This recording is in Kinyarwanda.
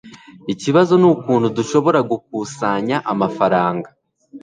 ikibazo nukuntu dushobora gukusanya amafaranga